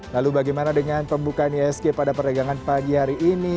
lalu bagaimana dengan pembukaan isg pada perdagangan pagi hari ini